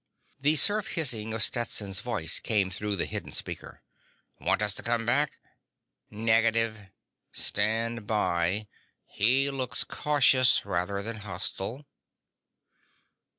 _ The surf hissing of Stetson's voice came through the hidden speaker: "Want us to come back?" _"Negative. Stand by. He looks cautious rather than hostile."